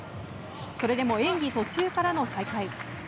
それでも演技途中からの再開。